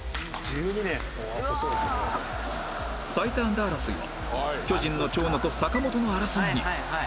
最多安打争いは巨人の長野と坂本の争いに